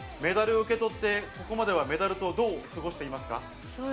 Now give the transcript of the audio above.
メダルを受け取って、ここまではメダルとどう過ごしていますか？